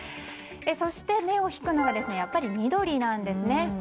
そして、目を引くのはやっぱり緑なんですね。